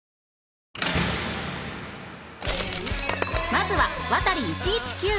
まずはワタリ１１９